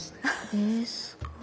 えすごい。